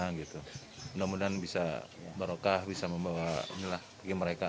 mudah mudahan bisa barokah bisa membawa ke mereka